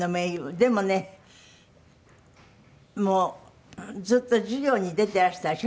でもねもうずっと『授業』に出ていらしたでしょ？